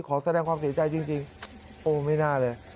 ขอแสดงความเสียใจจริงโอ้ไม่น่าเลย